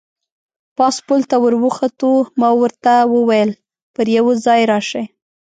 پاس پل ته ور وخوتو، ما ورته وویل: پر یوه ځای راشئ.